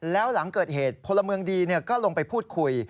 แล้วหลังเกิดเหตุพลเมืองดีก็ลงไปพูดคุย